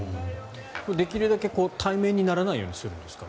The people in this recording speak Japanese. できるだけ対面にならないようにしてるんですか？